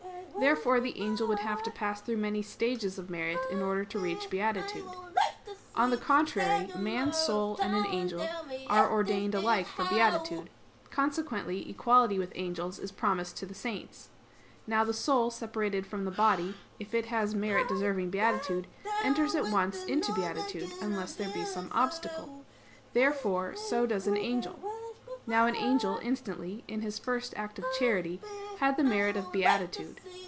Therefore the angel would have to pass through many stages of merit in order to reach beatitude. On the contrary, Man's soul and an angel are ordained alike for beatitude: consequently equality with angels is promised to the saints. Now the soul separated from the body, if it has merit deserving beatitude, enters at once into beatitude, unless there be some obstacle. Therefore so does an angel. Now an angel instantly, in his first act of charity, had the merit of beatitude.